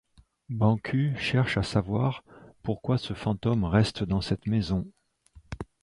Banku cherche à savoir pourquoi ce fantôme reste dans cette maison.